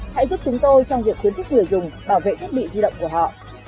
hãy giúp chúng tôi trong việc khuyến khích người dùng bảo vệ thiết bị di động của họ